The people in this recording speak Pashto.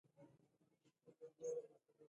د اساسي قانون نشتون په استبدادیت باندې اوړي.